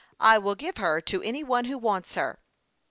I will give her to any one who wants her."'